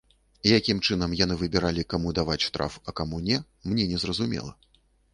Якім чынам яны выбіралі, каму даваць штраф, а каму не, мне незразумела.